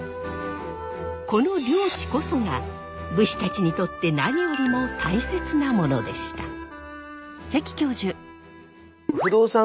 この領地こそが武士たちにとって何よりも大切なものでした。